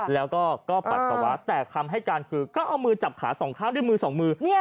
แล้วก็ปัสสาวะแต่คำให้การคือก็เอามือจับขาสองข้างด้วยมือสองมือ